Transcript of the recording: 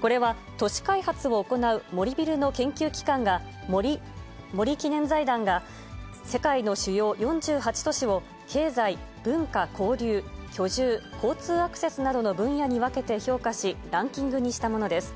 これは都市開発を行う森ビルの研究機関が、森記念財団が、世界の主要４８都市を経済、文化・交流、居住、交通アクセスなどの分野に分けて評価し、ランキングにしたものです。